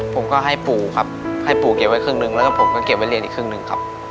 ผมก็ให้ปู่ครับให้ปู่เก็บไว้ครึ่งหนึ่งแล้วก็ผมก็เก็บไว้เรียนอีกครึ่งหนึ่งครับ